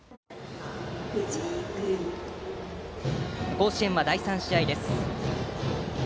甲子園は第３試合です。